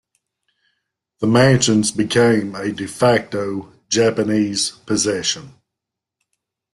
The Mansions became a "de facto" Japanese possession.